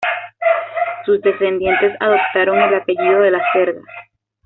Sus descendientes adoptaron el apellido de la Cerda.